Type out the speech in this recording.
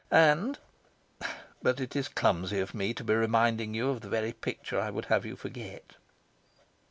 And but it is clumsy of me to be reminding you of the very picture I would have you forget.